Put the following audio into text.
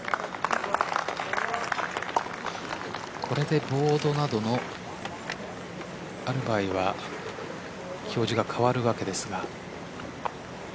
これでボードなどがある場合は表示が変わるわけですが。